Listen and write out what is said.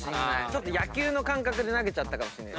野球の感覚で投げちゃったかもしんない。